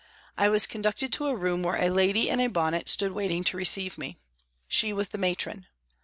I was con ducted to a room where a lady in a bonnet stood waiting to receive me. She was the Matron.